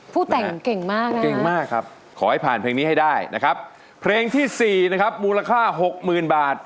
คุณแต่เก่งมากครับขอให้ผ่านเพลงนี้ให้ได้นะครับเพลงที่สี่นะครับกุมราคา๖มือบาท